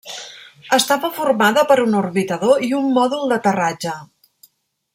Estava formada per un orbitador i un mòdul d'aterratge.